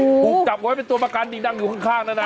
โอ้โฮหุบจับไว้เป็นตัวประกันดิงดังอยู่ข้างน่ะนะ